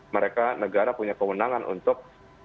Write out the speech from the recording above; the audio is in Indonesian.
mereka negara punya kewenangan untuk